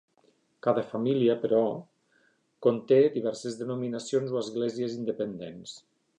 Cada família, però, conté diverses denominacions o esglésies independents.